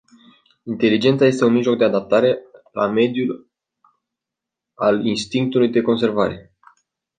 Inteligența e un mijloc de adaptare la mediu al instinctului de conservare.